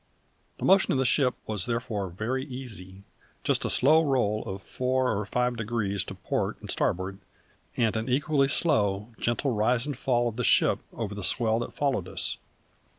The motion of the ship was therefore very easy, just a slow roll of four or five degrees to port and starboard, and an equally slow, gentle rise and fall of the ship over the swell that followed us.